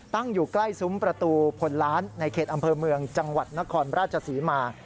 ตั้งอยู่ใกล้ซุ้มประตูพลล้านในเขตอำเภอเมืองจังหวัดนครราชศรีมา